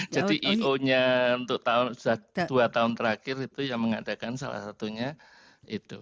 jadi ionya untuk dua tahun terakhir itu yang mengadakan salah satunya edo